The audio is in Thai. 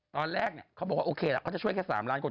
ตอนแรกเขาบอกว่าโอเคล่ะเขาจะช่วยแค่๓ล้านคน